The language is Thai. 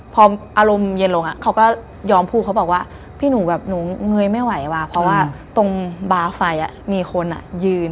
เพราะเขาที่ฟังมาคือ